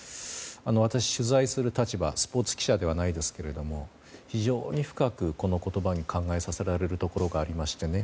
私、取材する立場スポーツ記者ではないですが非常に深くこの言葉に考えさせられるところがありましてね。